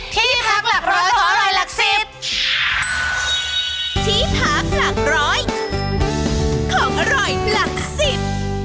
ที่พักหลักร้อยของอร่อยหลักสิบ